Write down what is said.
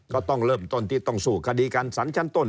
ก็ต้องเริ่มต้นที่ต้องสู้คดีกันสารชั้นต้น